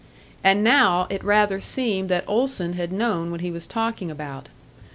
And now, it rather seemed that Olson had known what he was talking about.